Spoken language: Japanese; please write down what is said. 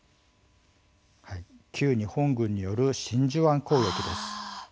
旧日本軍による真珠湾攻撃です。